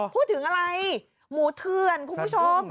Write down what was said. พูดถึงอะไรหมูเถื่อนคุณผู้ชม